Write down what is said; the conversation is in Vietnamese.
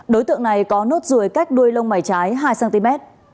đối tượng này có nốt ruồi cách đuôi lông mảy trái hai cm